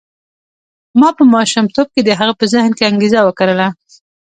ما په ماشومتوب کې د هغه په ذهن کې انګېزه وکرله.